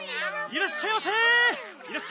いらっしゃいませ！